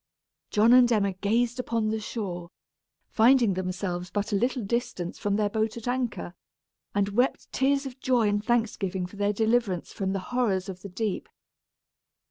John and Emma gazed upon the shore, finding themselves but a little distance from their boat at anchor, and wept tears of joy and thanksgiving for their deliverance from the horrors of the deep.